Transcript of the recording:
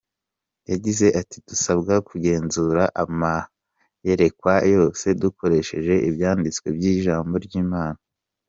Yagize ati “Dusabwa kugenzura amayerekwa yose dukoresheje ibyanditswe by’ijambo ry’Imana.